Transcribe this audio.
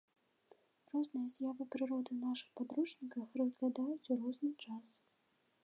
Розныя з'явы прыроды ў нашых падручніках разглядаюць у розны час.